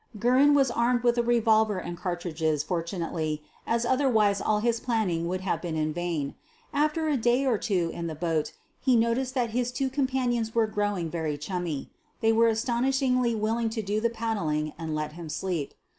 Guerin was armed with a revolver and cartridges, fortunately, as otherwise all his planning would have been in vain. After a day or two in the boat he noticed that his two companions were growing very chummy. They were astonishingly willing to do the paddling and let him sleep.